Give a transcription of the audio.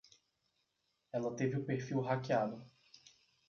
Ela teve o perfil hackeado.